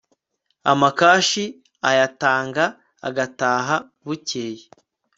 amakashi ayatanga agataha bukeye